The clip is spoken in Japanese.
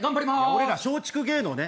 俺ら松竹芸能ね。